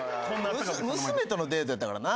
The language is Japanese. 娘とのデートやったからな。